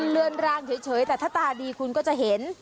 เลื่อนรางเฉยแต่ถ้าตาดีคุณก็จะเห็น